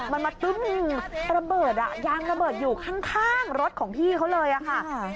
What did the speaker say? มันมาตึ้มระเบิดอ่ะยางระเบิดอยู่ข้างรถของพี่เขาเลยค่ะ